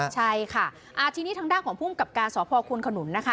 ใช่ค่ะทีนี้ทางด้านของภูมิกับการสพควนขนุนนะคะ